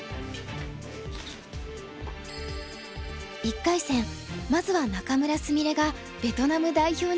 １回戦まずは仲邑菫がベトナム代表に勝利。